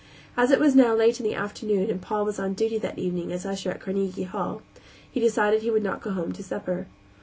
As it was now late in the afternoon and Paul was on duty that evening as usher at Carnegie Hall, he decided that he would not go home to supper.